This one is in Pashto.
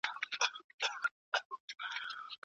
استاد سلام جواب کړ.